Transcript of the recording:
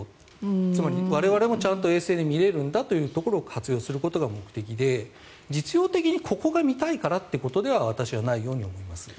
つまり我々もちゃんと衛星で見れるんだというのを活用することが目的で、実用的にここが見たいからということでは私はないように思います。